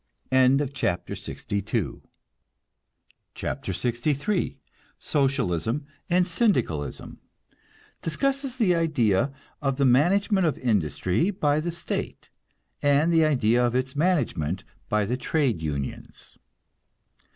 CHAPTER LXIII SOCIALISM AND SYNDICALISM (Discusses the idea of the management of industry by the state, and the idea of its management by the trade unions.)